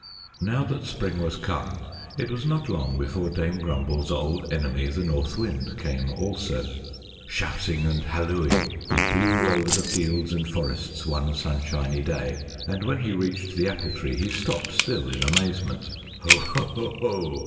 Now that spring was come, it was not long before Dame Grumble's old enemy, the North Wind, came also. Shouting and hallooing he blew over the fields and forests one sunshiny day, and when he reached the Apple Tree, he stopped still in amazement. "Ho! Ho! Ho!"